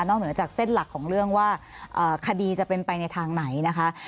เหนือจากเส้นหลักของเรื่องว่าคดีจะเป็นไปในทางไหนนะคะ